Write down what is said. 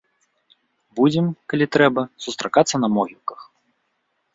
Будзем, калі трэба, сустракацца на могілках.